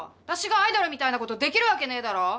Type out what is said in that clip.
私がアイドルみたいなことできるわけねえだろ。